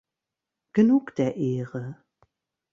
Genug der Ehre.